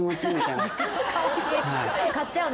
買っちゃうの？